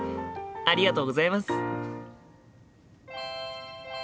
ありがとうございます。